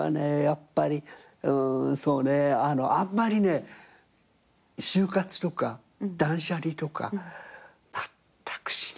やっぱりそうねあんまりね終活とか断捨離とかまったくしてないの。